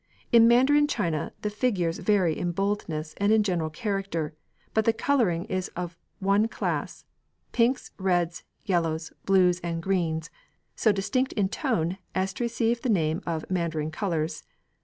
In Mandarin china the figures vary in boldness and in general character, but the colouring is of one class pinks, reds, yellows, blues, and greens, so distinct in tone as to receive the name of Mandarin colours.